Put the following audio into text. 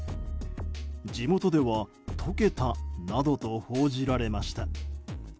地元では溶けたなどと報じられました。